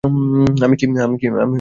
আমি কি বলেছিলাম?